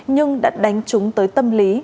nhưng đã đánh chúng tới tâm lý